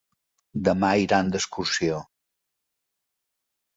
Demà iran d'excursió.